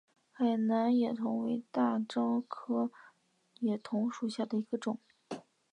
海南野桐为大戟科野桐属下的一个种。